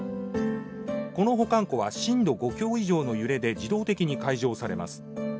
この保管庫は震度５強以上の揺れで自動的に解錠されます。